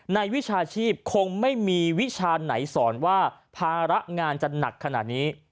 วิชาชีพคงไม่มีวิชาไหนสอนว่าภาระงานจะหนักขนาดนี้